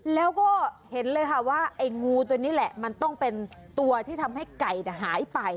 แล้วก็เห็นเลยค่ะว่าไอ้งูตัวนี้แหละมันต้องเป็นตัวที่ทำให้ไก่หายไป